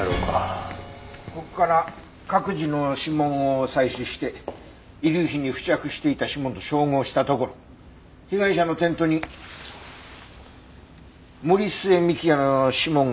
ここから各自の指紋を採取して遺留品に付着していた指紋と照合したところ被害者のテントに森末未来也の指紋が付着してた。